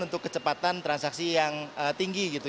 untuk kecepatan transaksi yang tinggi gitu